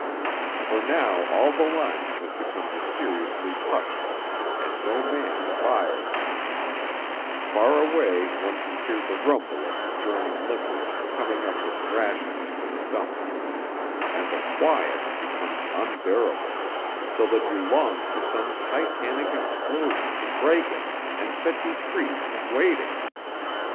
For now all the lines have become mysteriously hushed, and no man fires; far away one can hear the rumble of the German limbers coming up with rations to the dump, and the quiet becomes unbearable, so that you long for some Titanic explosion to break it and set you free from waiting.